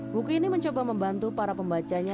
buku ini mencoba membantu para pembacanya